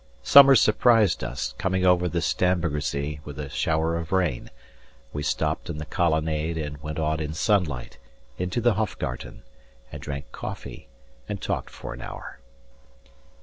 Summer surprised us, coming over the Starnbergersee With a shower of rain; we stopped in the colonnade, And went on in sunlight, into the Hofgarten, 10 And drank coffee, and talked for an hour.